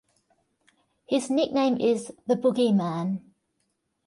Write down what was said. His nickname is the "Boogie-man".